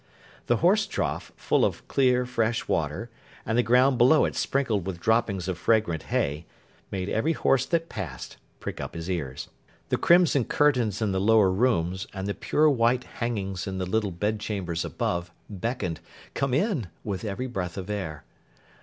The horse trough, full of clear fresh water, and the ground below it sprinkled with droppings of fragrant hay, made every horse that passed, prick up his ears. The crimson curtains in the lower rooms, and the pure white hangings in the little bed chambers above, beckoned, Come in! with every breath of air.